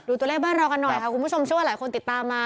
ตัวเลขบ้านเรากันหน่อยค่ะคุณผู้ชมเชื่อว่าหลายคนติดตามมา